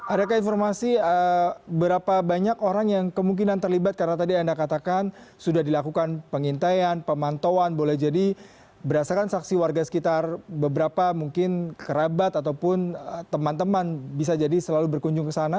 adakah informasi berapa banyak orang yang kemungkinan terlibat karena tadi anda katakan sudah dilakukan pengintaian pemantauan boleh jadi berdasarkan saksi warga sekitar beberapa mungkin kerabat ataupun teman teman bisa jadi selalu berkunjung ke sana